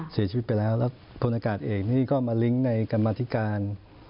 เสียชีวิตไปแล้วแล้วพลอากาศเอกนี่ก็มาลิงก์ในกรรมธิการ